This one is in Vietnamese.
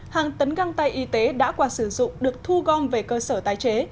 hàng tấn găng tay y tế đã qua sử dụng được thu gom về cơ sở tái chế